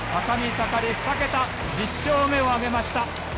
１０勝目を挙げました。